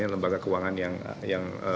lembaga keuangan yang